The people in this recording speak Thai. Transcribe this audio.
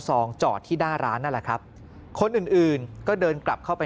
จอดที่หน้าร้านนั่นแหละครับคนอื่นอื่นก็เดินกลับเข้าไป